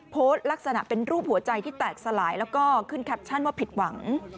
โพสต์ลักษณะเป็นรูปหัวใจที่แตกสลายแล้วก็ขึ้นแคปชั่นว่าผิดหวัง